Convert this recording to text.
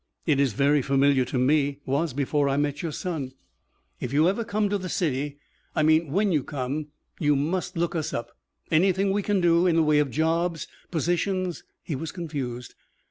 "It is very familiar to me. Was before I met your son." "If you ever come to the city I mean, when you come you must look us up. Anything we can do in the way of jobs, positions " He was confused.